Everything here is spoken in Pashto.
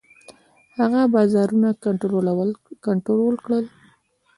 هغه بازارونه کنټرول کړل.